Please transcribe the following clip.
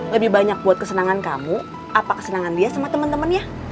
lebih banyak buat kesenangan kamu apa kesenangan dia sama temen temennya